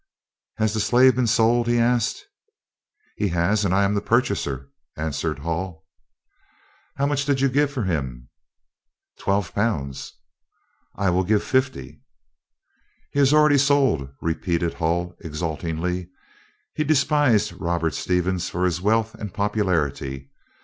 "Has the slave been sold?" he asked. "He has, and I am the purchaser," answered Hull. "How much did you give for him?" "Twelve pounds." "I will give fifty." "He is already sold," repeated Hull exultingly. He despised Robert Stevens for his wealth and popularity.